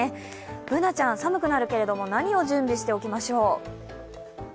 Ｂｏｏｎａちゃん、寒くなるけど、何を準備しておきましょう？